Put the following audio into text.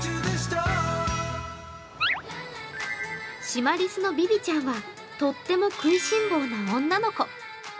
シマリスのビビちゃんはとっても食いしん坊な女の子。